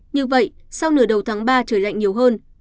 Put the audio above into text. như vậy sau nửa đầu tháng ba trời lạnh nhiều hơn